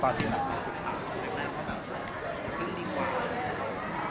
ตอนเดียวคุณคุยกันแน่